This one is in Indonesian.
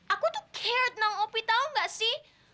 aku tuh peduli sama opi tau nggak sih